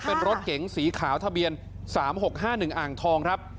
เป็นรถเก๋งสีขาวทะเบียน๓๖๕๑อ่างทองครับ